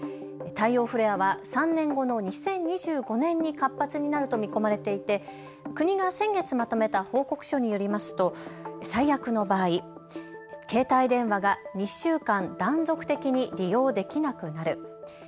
太陽フレアは３年後の２０２５年に活発になると見込まれていて国が先月まとめた報告書によりますと最悪の場合、携帯電話が２週間断続的に利用できなくなる。